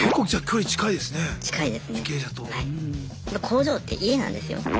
工場って家なんですよ。